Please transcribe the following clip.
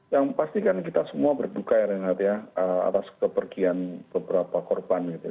yang pastikan kita semua berduka ya renat ya atas kepergian beberapa korban gitu